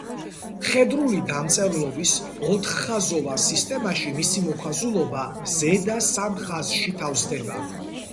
მხედრული დამწერლობის ოთხხაზოვან სისტემაში მისი მოხაზულობა ზედა სამ ხაზში თავსდება.